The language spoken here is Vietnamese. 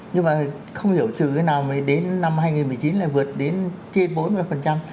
nhưng mà không hiểu từ cái nào mới đến năm hai nghìn một mươi chín là vượt đến trên bốn mươi phần trăm